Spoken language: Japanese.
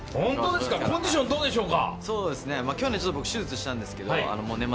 コンディションどうでしょうか？